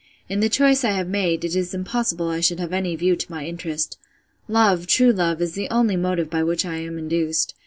—In the choice I have made, it is impossible I should have any view to my interest. Love, true love, is the only motive by which I am induced.